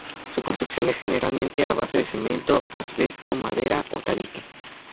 Su construcción es generalmente a base de cemento, asbesto, madera, o tabique.